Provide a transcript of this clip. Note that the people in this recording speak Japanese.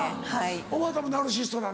おばたもナルシシストなの？